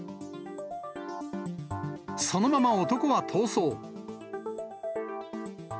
そのまま男は逃走。